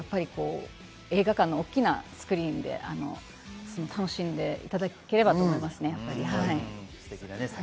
映画館の大きなスクリーンで楽しんでいただければと思います。